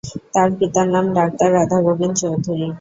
তাঁর পিতার নাম ডাক্তার রাধাগোবিন্দ চৌধুরী।